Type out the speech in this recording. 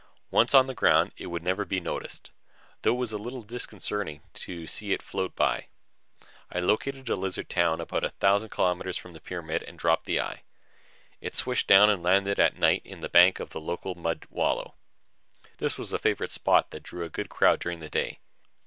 Once on the ground, it would never be noticed, though it was a little disconcerting to see it float by. I located a lizard town about a thousand kilometers from the pyramid and dropped the eye. It swished down and landed at night in the bank of the local mud wallow. This was a favorite spot that drew a good crowd during the day.